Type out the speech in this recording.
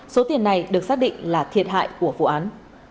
số tiền này được xác định là thiệt hại của vụ án